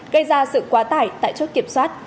gây ra sự quá tải tại chốt kiểm soát